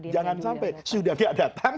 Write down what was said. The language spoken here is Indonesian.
jangan sampai sudah dia datang